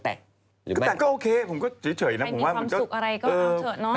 แต่ก็โอเคผมก็เฉยนะผมว่ามันก็สุขอะไรก็เอาเถอะเนาะ